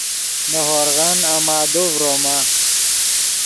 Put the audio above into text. نے ہورغن امادو ڤروما